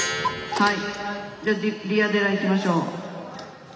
はい。